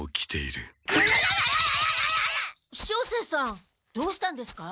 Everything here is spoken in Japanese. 照星さんどうしたんですか？